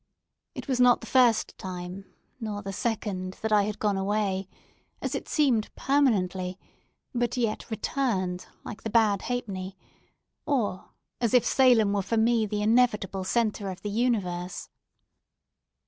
It was not the first time, nor the second, that I had gone away—as it seemed, permanently—but yet returned, like the bad halfpenny, or as if Salem were for me the inevitable centre of the universe.